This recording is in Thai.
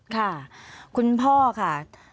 ค่ะคุณพ่อค่ะ